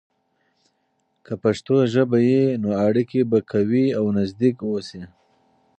که پښتو ژبه وي، نو اړیکې به قوي او نزدیک اوسي.